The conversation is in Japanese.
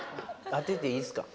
当てていいですか？